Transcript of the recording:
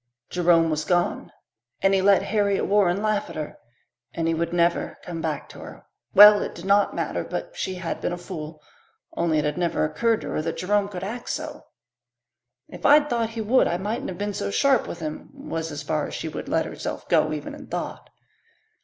Jerome was gone and he let Harriet Warren laugh at her and he would never come back to her. Well, it did not matter, but she had been a fool. Only it had never occurred to her that Jerome could act so. "If I'd thought he would I mightn't have been so sharp with him," was as far as she would let herself go even in thought.